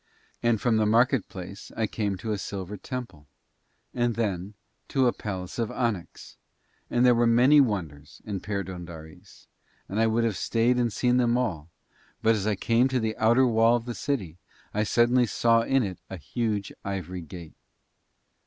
And from the market place I came to a silver temple and then to a palace of onyx, and there were many wonders in Perdóndaris, and I would have stayed and seen them all, but as I came to the outer wall of the city I suddenly saw in it a huge ivory gate.